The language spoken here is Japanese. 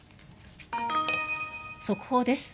速報です。